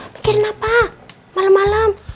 mikirin apa malam malam